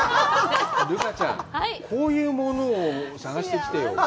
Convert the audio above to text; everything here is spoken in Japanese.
留伽ちゃん、こういうものを探してきてよ。